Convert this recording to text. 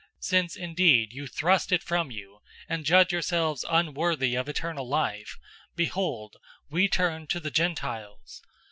Since indeed you thrust it from you, and judge yourselves unworthy of eternal life, behold, we turn to the Gentiles.